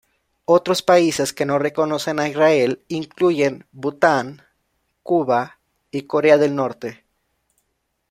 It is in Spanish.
Otros países que no reconocen a Israel incluyen Bhután, Cuba y Corea del Norte.